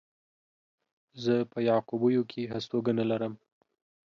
زه په يعقوبيو کې هستوګنه لرم.